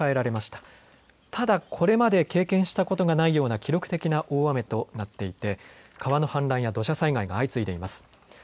ただこれまで経験したことがないような記録的な大雨となっていて川の氾濫や土砂災害が相次いでいます。